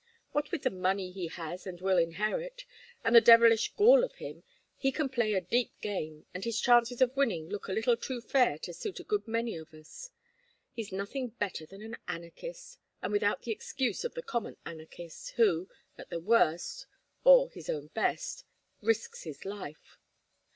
What with the money he has and will inherit, and the devilish gall of him, he can play a deep game, and his chances of winning look a little too fair to suit a good many of us. He's nothing better than an anarchist, and without the excuse of the common anarchist who, at the worst or his own best risks his life.